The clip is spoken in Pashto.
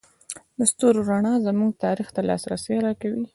د ستورو رڼا زموږ تاریخ ته لاسرسی راکوي.